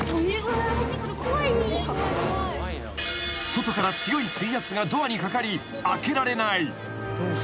［外から強い水圧がドアにかかり開けられない］